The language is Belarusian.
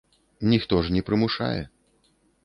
Ніхто ж не прымушае.